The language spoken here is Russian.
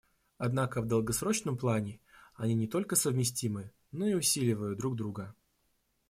Однако в долгосрочном плане они не только совместимы, но и усиливают друг друга.